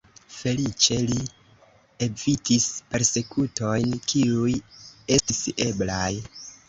Feliĉe, li evitis persekutojn, kiuj estis eblaj.